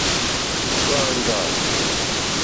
Hwá āŋɡâ.